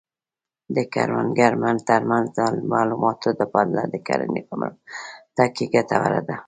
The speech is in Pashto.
د کروندګرو ترمنځ د معلوماتو تبادله د کرنې په پرمختګ کې ګټوره ده.